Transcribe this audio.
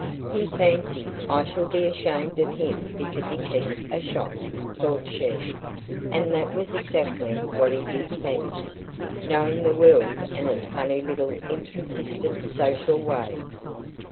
"He fancies I shall be ashamed of him because he keeps a shop," thought she; and that was exactly what he did fancy, knowing the world and its funny little inconsistent social ways.